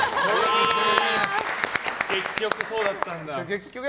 結局そうだったんだ。